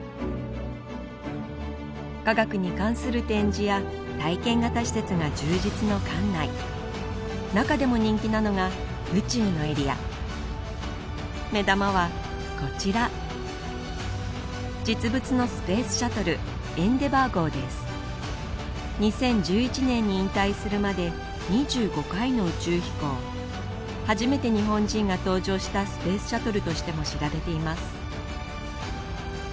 科学に関する展示や体験型施設が充実の館内中でも人気なのが宇宙のエリア目玉はこちら実物のスペースシャトル２０１１年に引退するまで２５回の宇宙飛行初めて日本人が搭乗したスペースシャトルとしても知られています